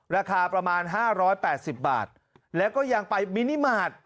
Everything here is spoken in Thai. ราคาประมาณห้าร้อยแปดสิบบาทแล้วก็ยังไปมินิมาร์ท